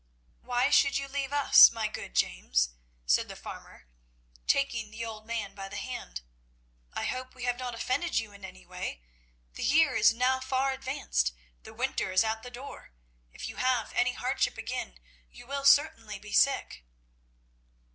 "Why should you leave us, my good James?" said the farmer, taking the old man by the hand. "I hope we have not offended you in any way? The year is now far advanced; the winter is at the door. If you have any hardship again you will certainly be sick."